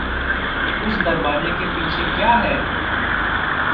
उस दरवाज़े के पीछे क्या है?